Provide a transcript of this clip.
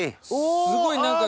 すごい何か。